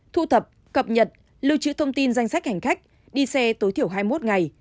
thu thập cập nhật lưu trữ thông tin danh sách hành khách đi xe tối thiểu hai mươi một ngày